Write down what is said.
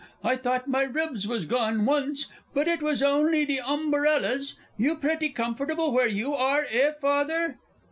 I thought my ribs was gone once but it was on'y the umberella's. You pretty comfortable where you are, eh, Father?